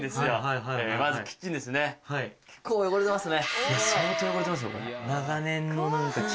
結構汚れてますね。